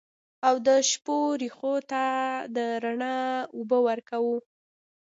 او د شپو رېښو ته د رڼا اوبه ورکوو